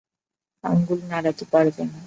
আঙ্গুল নাড়াতে পারবে না?